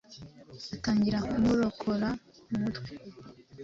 atangira kumukorakora mu mutwe